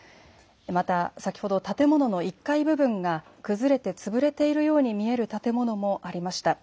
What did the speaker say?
また、先ほど、建物の１階部分が崩れて潰れているように見える建物もありました。